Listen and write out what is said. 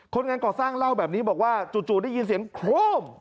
คนงานก่อสร้างเล่าแบบนี้บอกว่าจู่ได้ยินเสียงโครม